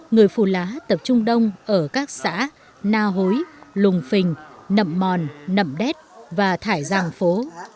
người phù lá tập trung đông ở các xã na hối lùng phình nậm mòn nậm đét và thải giang phố